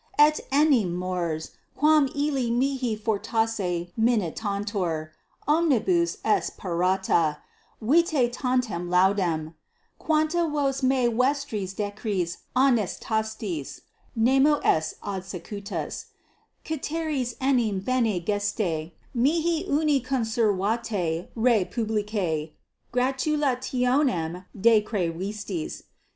Etenim mors, quam illi mihi fortasse minitantur, omnibus est parata: vitae tantam laudem, quanta vos me vestris decretis honestastis, nemo est adsecutus; ceteris enim bene gestae, mihi uni conservatae rei publicae gratulationem decrevistis.